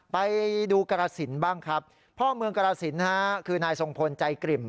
ไปดูกรัศนบ้างครับพ่อเมืองกรัสนนะฮะคือไนท์ทรงคลใจกริม